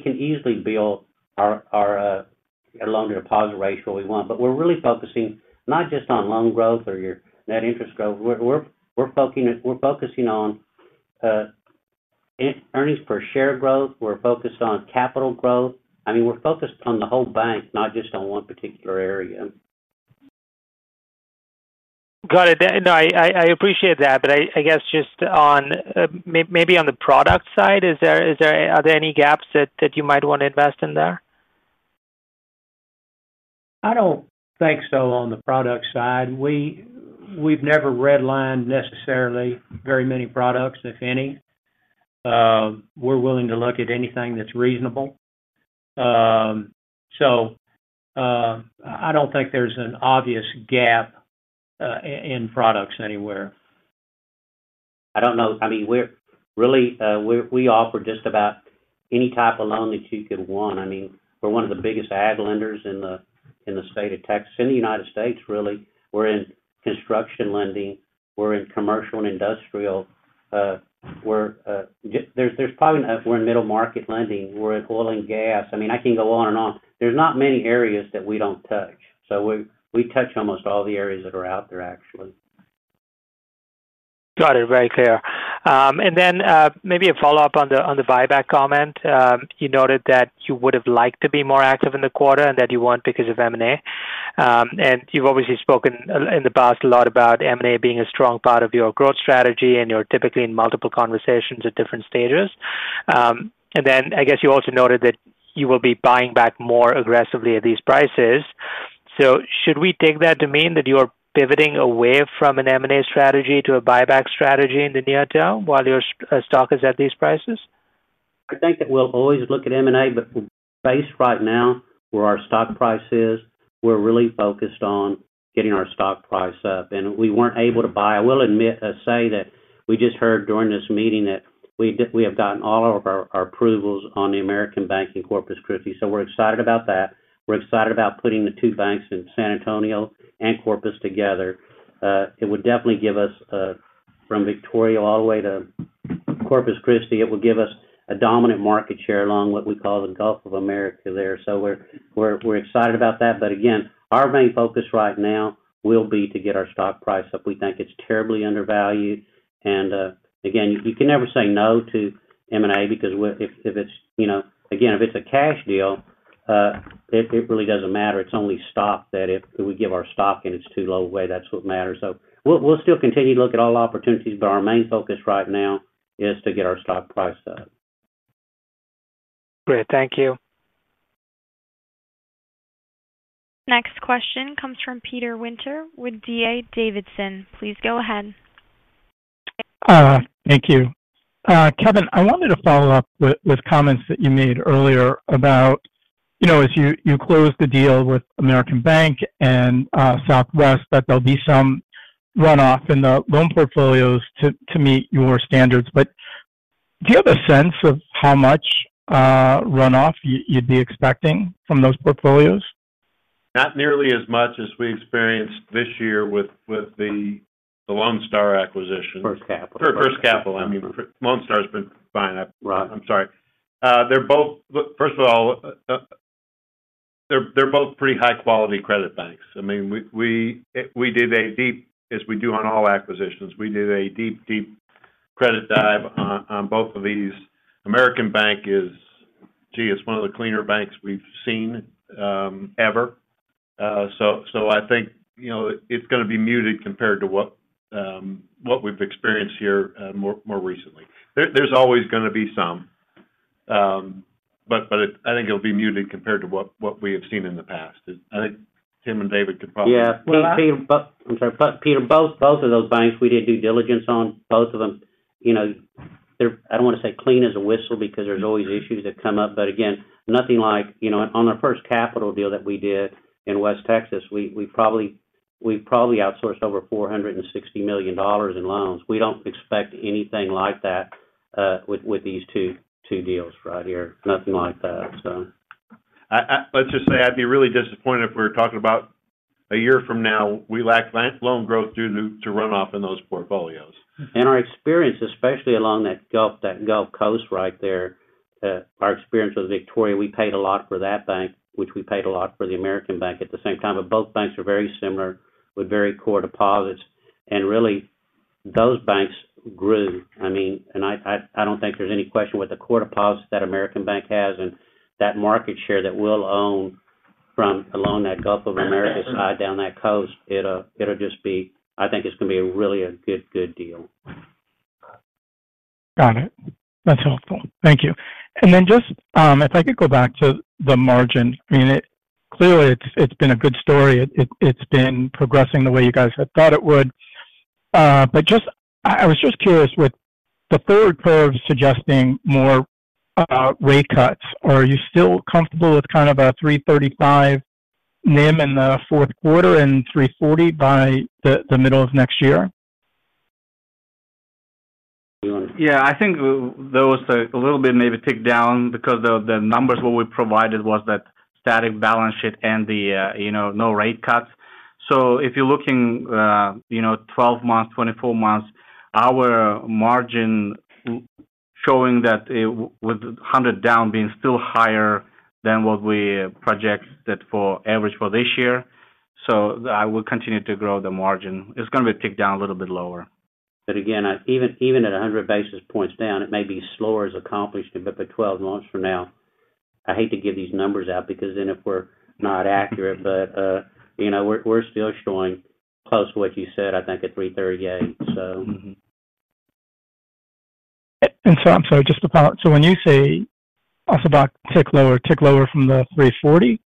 can easily build our loan-to-deposit ratio we want. We're really focusing not just on loan growth or your net interest growth. We're focusing on earnings per share growth. We're focused on capital growth. I mean, we're focused on the whole bank, not just on one particular area. Got it. I appreciate that. I guess just on maybe on the product side, are there any gaps that you might want to invest in there? I don't think so on the product side. We've never redlined necessarily very many products, if any. We're willing to look at anything that's reasonable. I don't think there's an obvious gap in products anywhere. I don't know. We're really, we offer just about any type of loan that you could want. We're one of the biggest ag lenders in the state of Texas, in the United States, really. We're in construction lending. We're in commercial and industrial. We're probably in, we're in middle market lending. We're in oil and gas. I can go on and on. There's not many areas that we don't touch. We touch almost all the areas that are out there, actually. Got it. Very clear. Maybe a follow-up on the buyback comment. You noted that you would have liked to be more active in the quarter and that you were not because of M&A. You have obviously spoken in the past a lot about M&A being a strong part of your growth strategy, and you are typically in multiple conversations at different stages. I guess you also noted that you will be buying back more aggressively at these prices. Should we take that to mean that you are pivoting away from an M&A strategy to a buyback strategy in the near term while your stock is at these prices? I think that we'll always look at M&A, but based right now where our stock price is, we're really focused on getting our stock price up. I will admit, we just heard during this meeting that we have gotten all of our approvals on the American Bank and Corpus Christi. We're excited about that. We're excited about putting the two banks in San Antonio and Corpus together. It would definitely give us, from Victoria all the way to Corpus Christi, a dominant market share along what we call the Gulf of America there. We're excited about that. Our main focus right now will be to get our stock price up. We think it's terribly undervalued. You can never say no to M&A because if it's a cash deal, it really doesn't matter. It's only stock that if we give our stock and it's too low away, that's what matters. We'll still continue to look at all opportunities, but our main focus right now is to get our stock price up. Great. Thank you. Next question comes from Peter Winter with D.A. Davidson. Please go ahead. Thank you. Kevin, I wanted to follow up with comments that you made earlier about, you know, as you close the deal with American Bank and Southwest, that there'll be some runoff in the loan portfolios to meet your standards. Do you have a sense of how much runoff you'd be expecting from those portfolios? Not nearly as much as we experienced this year with the Lone Star acquisition. First Capital. First Capital. Lone Star has been fine. They're both, first of all, they're both pretty high-quality credit banks. We did a deep, as we do on all acquisitions, we did a deep credit dive on both of these. American Bank is, gee, it's one of the cleaner banks we've seen, ever. I think it's going to be muted compared to what we've experienced here more recently. There's always going to be some, but I think it'll be muted compared to what we have seen in the past. I think Tim and David could probably. Yeah. Peter, both of those banks, we did due diligence on both of them. I don't want to say clean as a whistle because there's always issues that come up. Again, nothing like, you know, on our First Capital deal that we did in West Texas, we probably outsourced over $460 million in loans. We don't expect anything like that with these two deals right here. Nothing like that. Let's just say I'd be really disappointed if we were talking about a year from now, we lack loan growth due to runoff in those portfolios. Our experience, especially along that Gulf Coast right there, our experience with Victoria, we paid a lot for that bank, which we paid a lot for the American Bank at the same time. Both banks are very similar with very core deposits, and really, those banks grew. I mean, I don't think there's any question with the core deposits that American Bank has and that market share that we'll own from along that Gulf of America side down that coast. I think it's going to be really a good, good deal. Got it. That's helpful. Thank you. If I could go back to the margin, I mean, clearly, it's been a good story. It's been progressing the way you guys had thought it would. I was just curious with the third curve suggesting more rate cuts, are you still comfortable with kind of a 3.35% NIM in the fourth quarter and 3.40% by the middle of next year? Yeah, I think those maybe ticked down a little bit because the numbers we provided was that static balance sheet and the, you know, no rate cuts. If you're looking 12 months, 24 months, our margin showing that with 100 basis points down being still higher than what we projected for average for this year. I will continue to grow the margin. It's going to be ticked down a little bit lower. Even at 100 basis points down, it may be slower as accomplished, but 12 months from now, I hate to give these numbers out because then if we're not accurate, but you know, we're still showing close to what you said, I think at 3.38%. I'm sorry, just to follow up. When you say, Asylbek, tick lower, tick lower from the $3.40?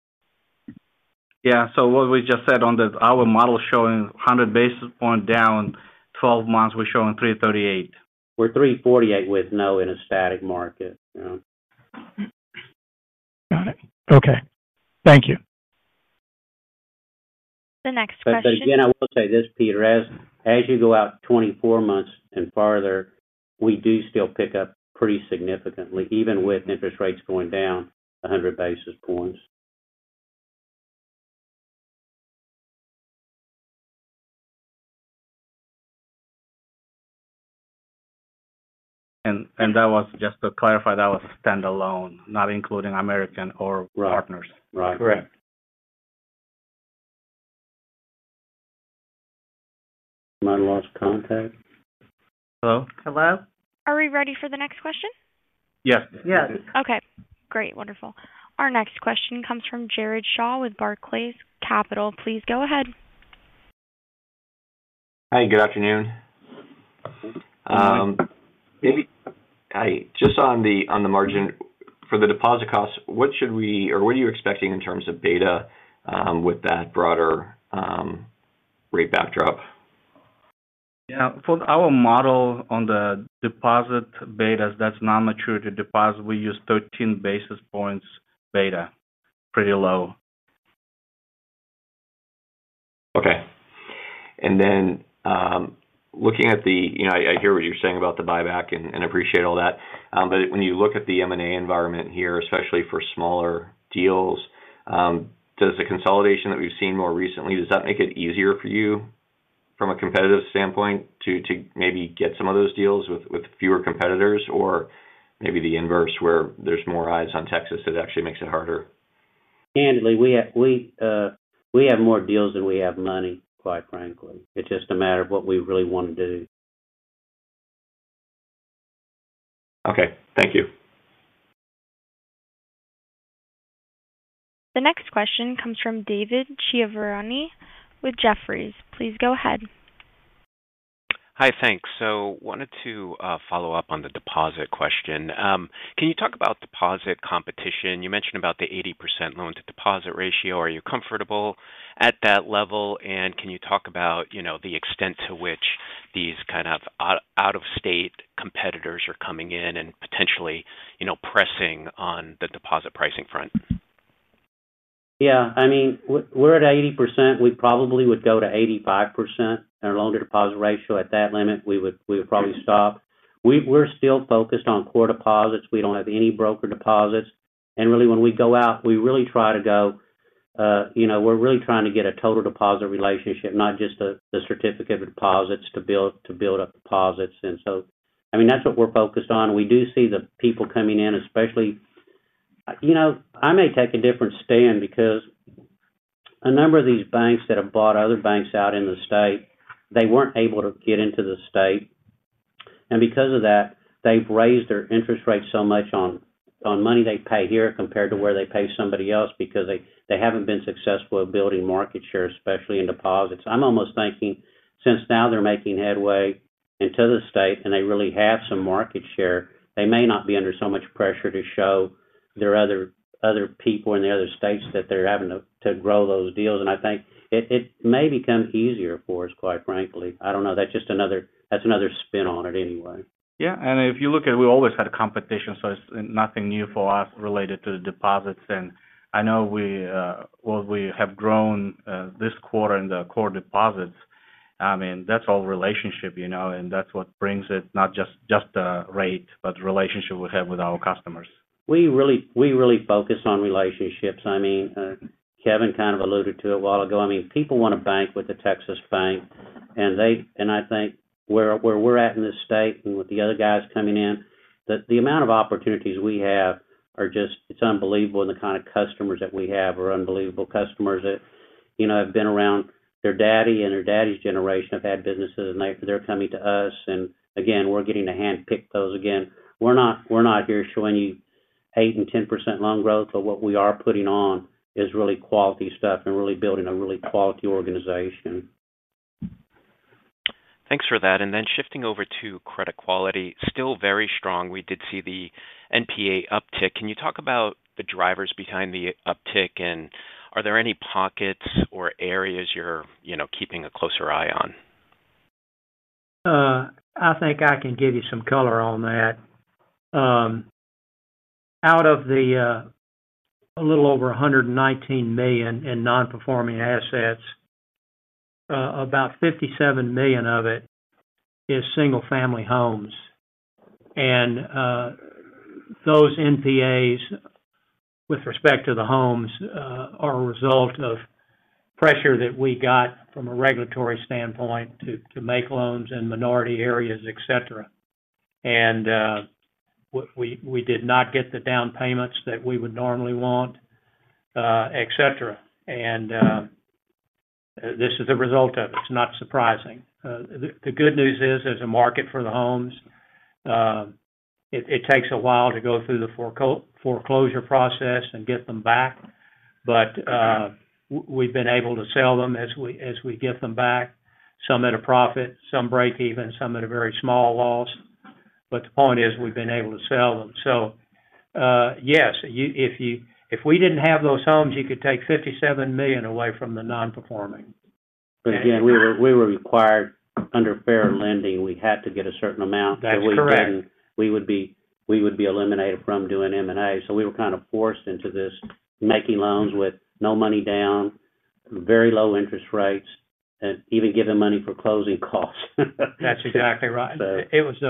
Yeah, what we just said on our model showing 100 basis points down, 12 months, we're showing 3.38%. We're 3.48% with no in a static market. Got it. Okay, thank you. The next question. I will say this, Peter, as you go out 24 months and farther, we do still pick up pretty significantly, even with interest rates going down 100 basis points. That was just to clarify, that was a standalone, not including American or [partners]. Right. Right. Correct. Am I lost contact? Hello? Hello? Are we ready for the next question? Yes. Yes. Okay. Great. Wonderful. Our next question comes from Jared Shaw with Barclays Capital. Please go ahead. Hi, good afternoon. Hi. Just on the margin for the deposit costs, what should we, or what are you expecting in terms of beta, with that broader rate backdrop? Yeah, for our model on the deposit betas, that's non-maturity deposit, we use 13 basis points beta, pretty low. Okay. Looking at the, you know, I hear what you're saying about the buyback and appreciate all that. When you look at the M&A environment here, especially for smaller deals, does the consolidation that we've seen more recently make it easier for you from a competitive standpoint to maybe get some of those deals with fewer competitors, or maybe the inverse where there's more eyes on Texas that actually makes it harder? Candidly, we have more deals than we have money, quite frankly. It's just a matter of what we really want to do. Okay, thank you. The next question comes from David Chiaverini with Jefferies. Please go ahead. Hi, thanks. I wanted to follow up on the deposit question. Can you talk about deposit competition? You mentioned about the 80% loan-to-deposit ratio. Are you comfortable at that level? Can you talk about the extent to which these kind of out-of-state competitors are coming in and potentially pressing on the deposit pricing front? Yeah. I mean, we're at 80%. We probably would go to 85% in our loan-to-deposit ratio. At that limit, we would probably stop. We're still focused on core deposits. We don't have any brokered deposits. When we go out, we really try to go, you know, we're really trying to get a total deposit relationship, not just the certificate of deposits to build up deposits. That's what we're focused on. We do see the people coming in, especially, you know, I may take a different stand because a number of these banks that have bought other banks out in the state, they weren't able to get into the state. Because of that, they've raised their interest rates so much on money they pay here compared to where they pay somebody else because they haven't been successful at building market share, especially in deposits. I'm almost thinking since now they're making headway into the state and they really have some market share, they may not be under so much pressure to show their other people in the other states that they're having to grow those deals. I think it may become easier for us, quite frankly. I don't know. That's just another spin on it anyway. If you look at it, we always had competition, so it's nothing new for us related to the deposits. I know we have grown this quarter in the core deposits. That's all relationship, you know, and that's what brings it, not just the rate, but the relationship we have with our customers. We really focus on relationships. Kevin kind of alluded to it a while ago. People want to bank with the Texas bank. I think where we're at in this state and with the other guys coming in, the amount of opportunities we have are just, it's unbelievable. The kind of customers that we have are unbelievable. Customers that have been around their daddy and their daddy's generation have had businesses and they're coming to us. We're getting to handpick those again. We're not here showing you 8% and 10% loan growth, but what we are putting on is really quality stuff and really building a really quality organization. Thanks for that. Shifting over to credit quality, still very strong. We did see the [NPA] uptick. Can you talk about the drivers behind the uptick, and are there any pockets or areas you're keeping a closer eye on? I think I can give you some color on that. Out of the a little over $119 million in non-performing assets, about $57 million of it is single-family homes. Those NPAs with respect to the homes are a result of pressure that we got from a regulatory standpoint to make loans in minority areas, etc. We did not get the down payments that we would normally want, etc. This is the result of it. It's not surprising. The good news is there's a market for the homes. It takes a while to go through the foreclosure process and get them back. We've been able to sell them as we get them back, some at a profit, some break even, some at a very small loss. The point is we've been able to sell them. Yes, if we didn't have those homes, you could take $57 million away from the non-performing. Again, we were required under fair lending. We had to get a certain amount that we couldn't. That's correct. We would be eliminated from doing M&A. We were kind of forced into this, making loans with no money down, very low interest rates, and even giving money for closing costs. That's exactly right. It was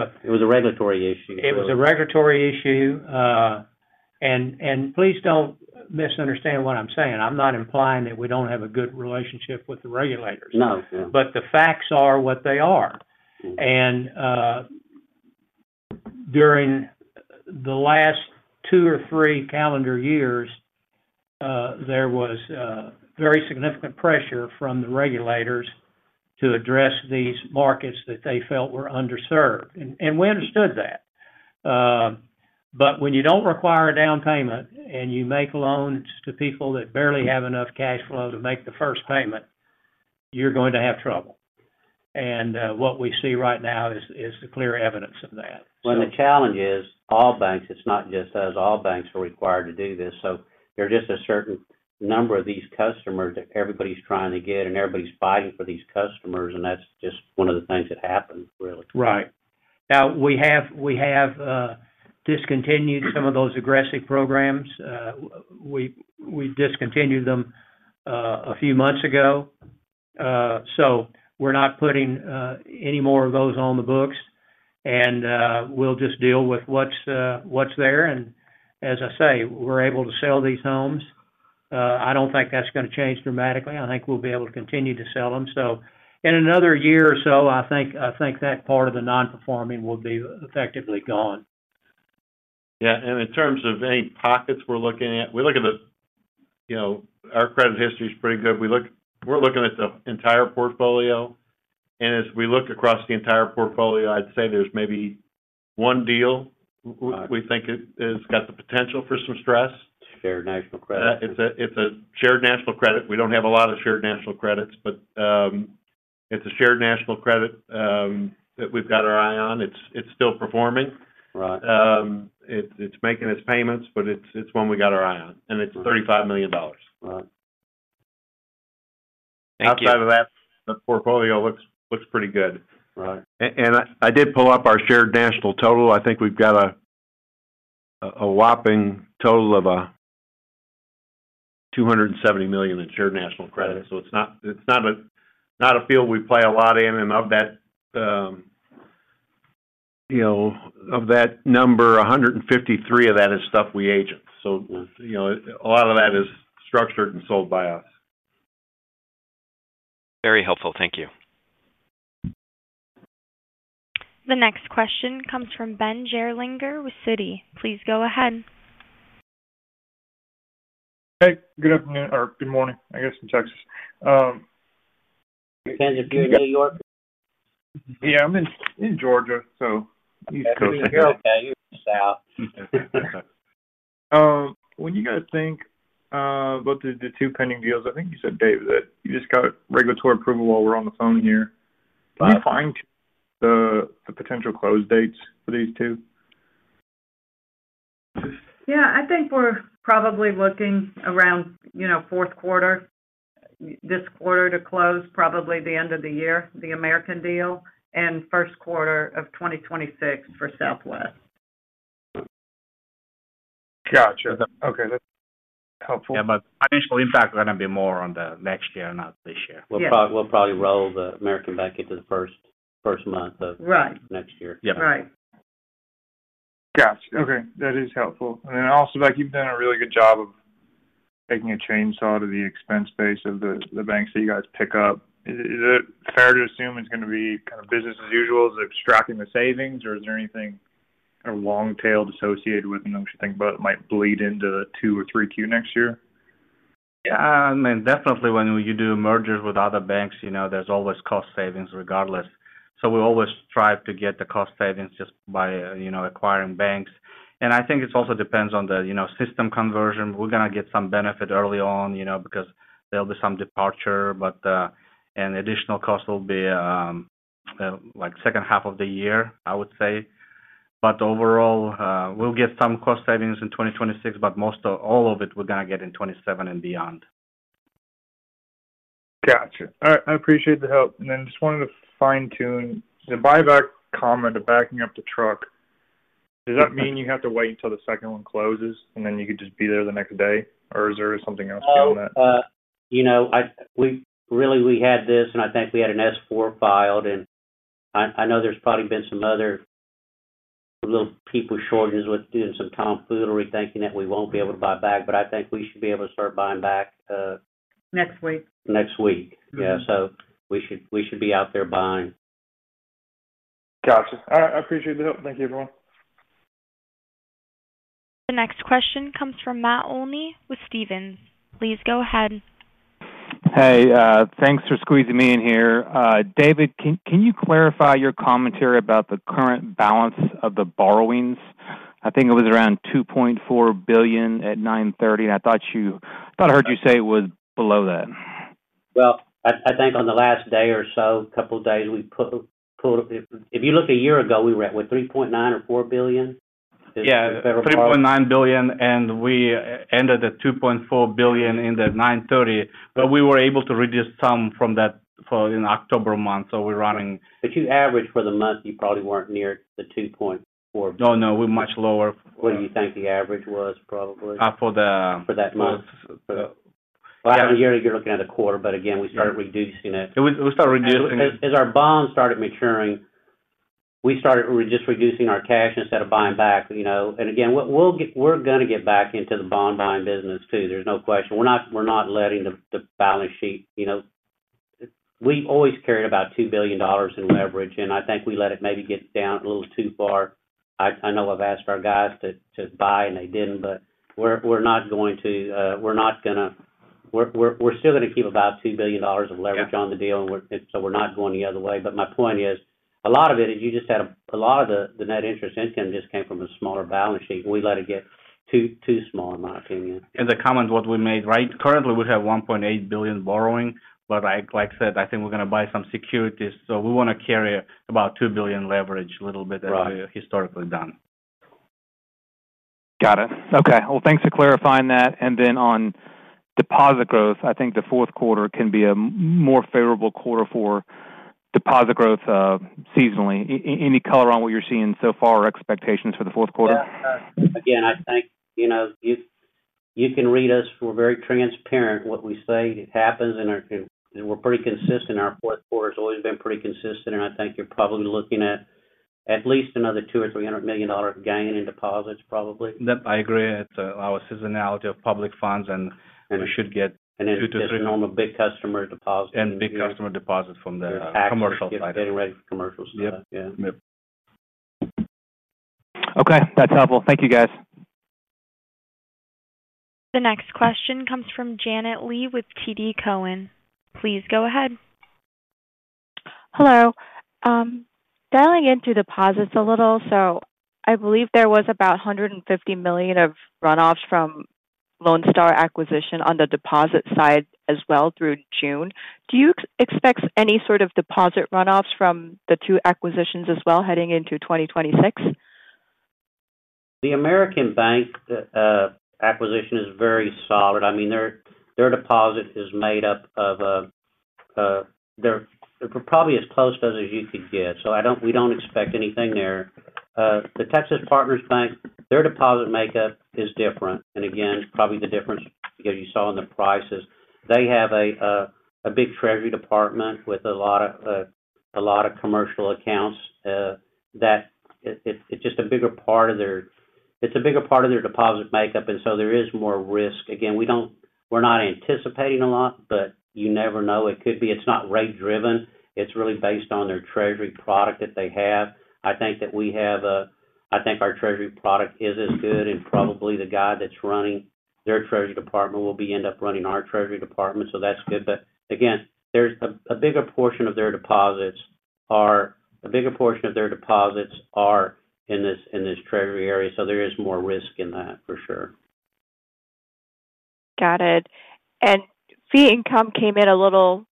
a regulatory issue. It was a regulatory issue. Please don't misunderstand what I'm saying. I'm not implying that we don't have a good relationship with the regulators. No, the facts are what they are. During the last two or three calendar years, there was very significant pressure from the regulators to address these markets that they felt were underserved. We understood that. When you don't require a down payment and you make loans to people that barely have enough cash flow to make the first payment, you're going to have trouble. What we see right now is the clear evidence of that. The challenge is all banks, it's not just us, all banks are required to do this. There are just a certain number of these customers that everybody's trying to get and everybody's fighting for these customers. That's just one of the things that happened, really. Right. We have discontinued some of those aggressive programs. We discontinued them a few months ago. We are not putting any more of those on the books. We will just deal with what is there. As I say, we are able to sell these homes. I do not think that is going to change dramatically. I think we will be able to continue to sell them. In another year or so, I think that part of the non-performing will be effectively gone. In terms of any pockets we're looking at, we look at the, you know, our credit history is pretty good. We look, we're looking at the entire portfolio. As we look across the entire portfolio, I'd say there's maybe one deal we think has got the potential for some stress. Shared National Credit. It's a shared National Credit. We don't have a lot of Shared National Credits, but it's a Shared National Credit that we've got our eye on. It's still performing. It's making its payments, but it's one we got our eye on. It's $35 million. Outside of that, the portfolio looks pretty good. I did pull up our shared national total. I think we've got a whopping total of $270 million in Shared National Credit. It's not a field we play a lot in. Of that number, $153 million of that is stuff we agent. A lot of that is structured and sold by us. Very helpful. Thank you. The next question comes from Ben Gerlinger with Citi. Please go ahead. Hey, good afternoon, or good morning, I guess, in Texas. You guys are doing New York? Yeah, I'm in Georgia, so East Coast. Okay, you're in the South. When you guys think about the two pending deals, I think you said, Dave, that you just got regulatory approval while we're on the phone here. Would it be fine to define the potential close dates for these two? I think we're probably looking around fourth quarter, this quarter to close, probably the end of the year, the American deal, and first quarter of 2026 for Southwest. Gotcha. Okay, that's helpful. Yeah, the financial impact is going to be more on the next year, not this year. We'll probably roll the American Bank into the first month of next year. Okay, that is helpful. Asylbek, you've done a really good job of making a chainsaw to the expense base of the banks that you guys pick up. Is it fair to assume it's going to be kind of business as usual as extracting the savings, or is there anything kind of long-tailed associated with them that you think about that might bleed into the two or three Q next year? Yeah, I mean, definitely when you do mergers with other banks, there's always cost savings regardless. We always strive to get the cost savings just by acquiring banks. I think it also depends on the system conversion. We're going to get some benefit early on because there'll be some departure, and additional costs will be like second half of the year, I would say. Overall, we'll get some cost savings in 2026, but most of all of it we're going to get in 2027 and beyond. Gotcha. All right, I appreciate the help. I just wanted to fine-tune the buyback comment of backing up the truck. Does that mean you have to wait until the second one closes and then you could just be there the next day, or is there something else beyond that? I think we had an S-4 filed. I know there's probably been some other little people shortages with doing some Tomfoolery or rethinking that we won't be able to buy back. I think we should be able to start buying back. Next week. Next week, we should be out there buying. Gotcha. I appreciate the help. Thank you, everyone. The next question comes from Matt Olney with Stephens. Please go ahead. Hey, thanks for squeezing me in here. David, can you clarify your commentary about the current balance of the borrowings? I think it was around $2.4 billion at 09/30, and I thought I heard you say it was below that. I think on the last day or so, a couple of days we pulled, if you look a year ago, we were at $3.9 or $4 billion. Yeah, $3.9 billion, and we ended at $2.4 billion in the 09/30. We were able to reduce some from that for the October month, so we're running. You average for the month, you probably weren't near the $2.4 billion. No, we're much lower. What do you think the average was probably? For that month? I have a year that you're looking at a quarter, but again, we started reducing it. We started reducing it. As our bonds started maturing, we started just reducing our cash instead of buying back, you know. We're going to get back into the bond buying business too. There's no question. We're not letting the balance sheet, you know, we've always carried about $2 billion in leverage, and I think we let it maybe get down a little too far. I know I've asked for our guys to buy, and they didn't. We're still going to keep about $2 billion of leverage on the deal, and we're not going the other way. My point is, a lot of it is you just had a lot of the net interest income just came from a smaller balance sheet. We let it get too small, in my opinion. The comment we made, right? Currently, we have $1.8 billion borrowing, but like I said, I think we're going to buy some securities. We want to carry about $2 billion leverage a little bit that we've historically done. Got it. Thanks for clarifying that. On deposit growth, I think the fourth quarter can be a more favorable quarter for deposit growth seasonally. Any color on what you're seeing so far or expectations for the fourth quarter? I think you can read us. We're very transparent in what we say. It happens, and we're pretty consistent. Our fourth quarter has always been pretty consistent, and I think you're probably looking at at least another $200 million or $300 million gain in deposits probably. Yep, I agree. It's our seasonality of public funds, and we should get. There are two to three normal big customer deposits. Big customer deposits from the commercial side. Getting ready for commercials. Yep. Okay, that's helpful. Thank you, guys. The next question comes from Janet Lee with TD Cowen. Please go ahead. Hello. Dialing into deposits a little, I believe there was about $150 million of runoffs from the Lonestar acquisition on the deposit side as well through June. Do you expect any sort of deposit runoffs from the two acquisitions as well heading into 2026? The American Bank acquisition is very solid. I mean, their deposit is made up of, they're probably as close to us as you could get. We don't expect anything there. The Texas Partners Bank, their deposit makeup is different. Again, probably the difference because you saw in the prices, they have a big treasury department with a lot of commercial accounts. It's just a bigger part of their deposit makeup, and so there is more risk. We don't, we're not anticipating a lot, but you never know. It's not rate-driven. It's really based on their treasury product that they have. I think that we have a, I think our treasury product is as good, and probably the guy that's running their treasury department will end up running our treasury department. That's good. Again, a bigger portion of their deposits are in this treasury area, so there is more risk in that for sure. Got it. Fee income came in a little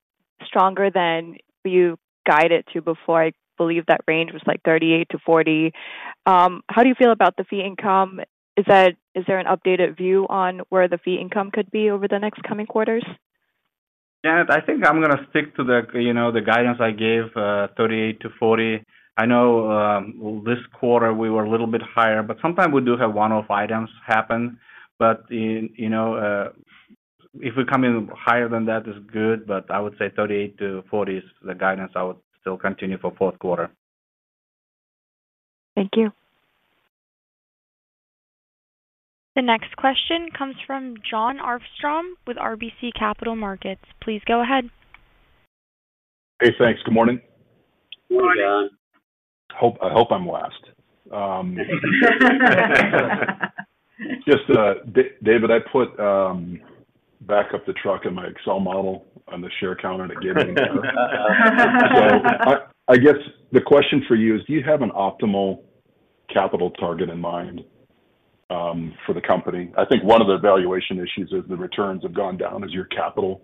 stronger than you guided to before. I believe that range was like $38 million-$40 million. How do you feel about the fee income? Is there an updated view on where the fee income could be over the next coming quarters? I think I'm going to stick to the guidance I gave, $38 million-$40 million. I know this quarter we were a little bit higher, sometimes we do have one-off items happen. If we come in higher than that, it's good. I would say $38 million-$40 million is the guidance I would still continue for the fourth quarter. Thank you. The next question comes from Jon Arfstrom with RBC Capital Markets. Please go ahead. Hey, thanks. Good morning. Good morning, Jon. I hope I'm last. David, I put back up the truck in my Excel model on the share counter and it gave me an error. I guess the question for you is, do you have an optimal capital target in mind for the company? I think one of the valuation issues is the returns have gone down as your capital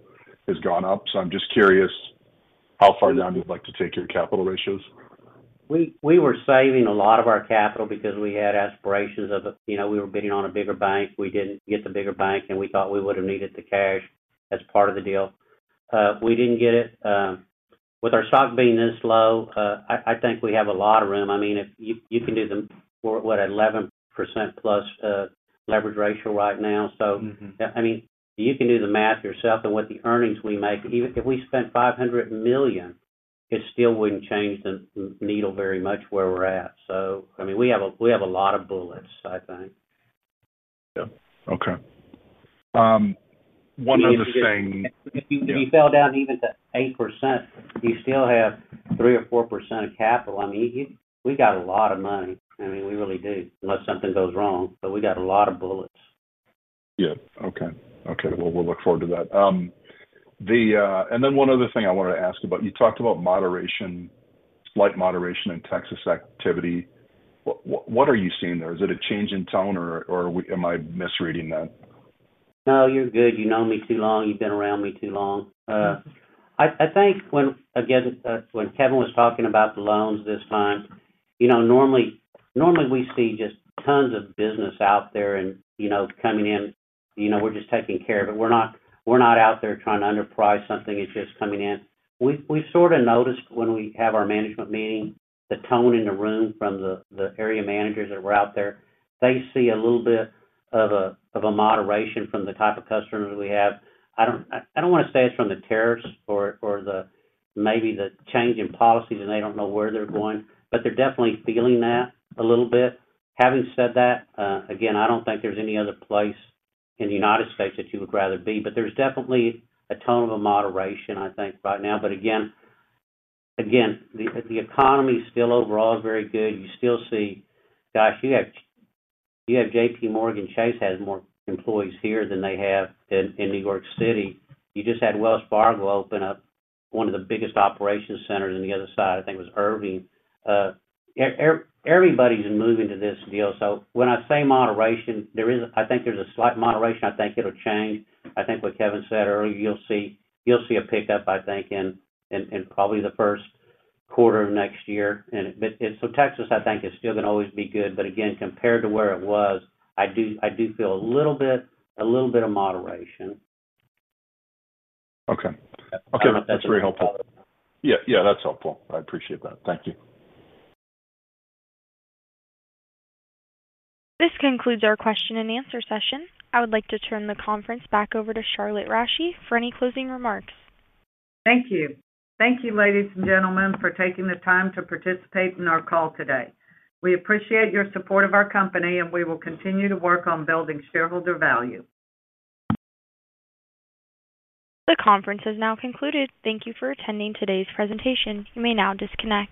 has gone up. I'm just curious how far down you'd like to take your capital ratios. We were saving a lot of our capital because we had aspirations of, you know, we were bidding on a bigger bank. We didn't get the bigger bank, and we thought we would have needed the cash as part of the deal. We didn't get it. With our stock being this low, I think we have a lot of room. I mean, if you can do the, we're at 11%+ leverage ratio right now. I mean, you can do the math yourself and what the earnings we make. Even if we spent $500 million, it still wouldn't change the needle very much where we're at. I think we have a lot of bullets. Yeah, okay. One other thing. If you fell down even to 8%, you still have 3% or 4% of capital. I mean, we got a lot of money. I mean, we really do unless something goes wrong. We got a lot of bullets. Yeah. Okay. We'll look forward to that. One other thing I wanted to ask about, you talked about slight moderation in Texas activity. What are you seeing there? Is it a change in tone, or am I misreading that? No, you're good. You know me too long. You've been around me too long. I think when, again, when Kevin was talking about the loans this time, normally we see just tons of business out there and, you know, coming in. We're just taking care of it. We're not out there trying to underprice something. It's just coming in. We've sort of noticed when we have our management meeting, the tone in the room from the area managers that were out there, they see a little bit of a moderation from the type of customers we have. I don't want to say it's from the tariffs or maybe the change in policies and they don't know where they're going, but they're definitely feeling that a little bit. Having said that, I don't think there's any other place in the United States that you would rather be, but there's definitely a tone of a moderation, I think, right now. The economy still overall is very good. You still see, gosh, you have JPMorgan Chase has more employees here than they have in New York City. You just had Wells Fargo open up. Biggest operations centers on the other side, I think it was Irving. Everybody's moving to this deal. When I say moderation, there is, I think there's a slight moderation. I think it'll change. I think what Kevin said earlier, you'll see a pickup, I think, in probably the first quarter of next year. Texas, I think, is still going to always be good. Again, compared to where it was, I do feel a little bit, a little bit of moderation. Okay, that's very helpful. Yeah, that's helpful. I appreciate that. Thank you. This concludes our question and answer session. I would like to turn the conference back over to Charlotte Rasche for any closing remarks. Thank you. Thank you, ladies and gentlemen, for taking the time to participate in our call today. We appreciate your support of our company, and we will continue to work on building shareholder value. The conference is now concluded. Thank you for attending today's presentation. You may now disconnect.